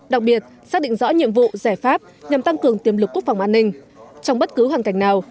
đặc biệt xác định rõ nhiệm vụ giải pháp nhằm tăng cường tiềm lực quốc phòng an ninh trong bất cứ hoàn cảnh nào